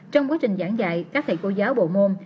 trong quá trình giảng dạy các thầy cô giáo bộ môn